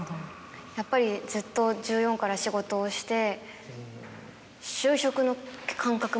やっぱりずっと１４から仕事をして。